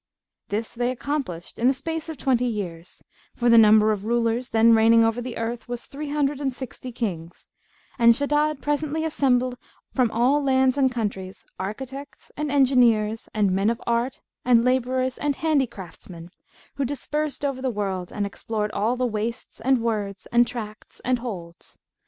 This they accomplished in the space of 20 years, for the number of rulers then reigning over the earth was three hundred and sixty Kings, and Shaddad presently assembled from all lands and countries architects and engineers and men of art and labourers and handicraftsmen, who dispersed over the world and explored all the wastes and words and tracts and holds.